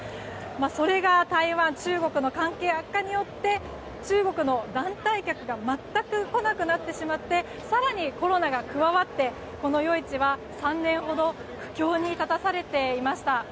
それが台湾と中国の関係悪化によって中国の団体客が全く来なくなってしまって更にコロナが加わってこの夜市は３年ほど苦境に立たされていました。